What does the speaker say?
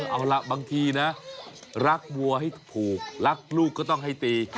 เอาล่ะบางทีนะรักวัวให้ถูกรักลูกก็ต้องให้ตี